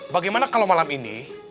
bagaimana kalau malam ini